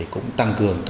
cũng tăng cường